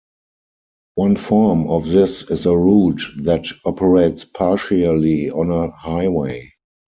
One form of this is a route that operates partially on a highway.